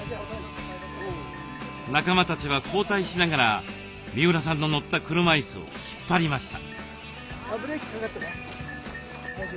仲間たちは交代しながら三浦さんの乗った車いすを引っ張りました。